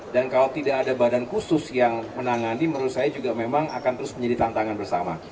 dan kalau tidak ada badan khusus yang menangani menurut saya juga memang akan terus menjadi tantangan bersama